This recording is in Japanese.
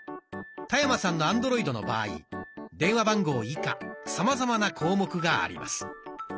田山さんのアンドロイドの場合電話番号以下さまざまな項目があります。